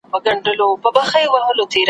عدالت به موږ له کومه ځایه غواړو `